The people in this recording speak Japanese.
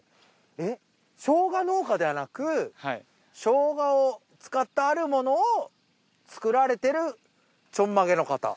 えっショウガ農家ではなくショウガを使ったあるものを作られてるちょんまげの方？